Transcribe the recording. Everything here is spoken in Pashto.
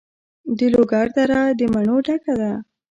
د لوګر دره د مڼو ډکه ده.